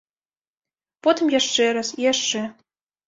Потым яшчэ раз, і яшчэ.